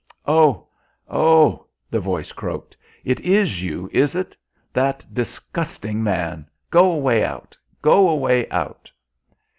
"Oh, oh;" the voice croaked. "It is you, is it? That disgusting man!... Go away out. Go away out."